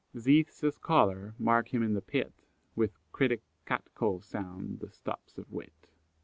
Zethe's a scholar mark him in the pit, With critic Cat call sound the stops of wit."